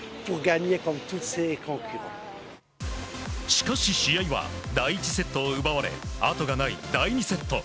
しかし、試合は第１セットを奪われあとがない第２セット。